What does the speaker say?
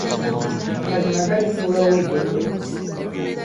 Amazima gali kufuula ow'eddembe.